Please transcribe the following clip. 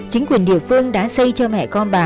chính quyền địa phương đã xây cho mẹ con bà